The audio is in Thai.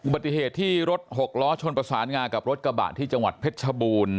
ปฏิเหตุที่รถหกล้อชนประสานงากับรถกระบะที่จังหวัดเพชรชบูรณ์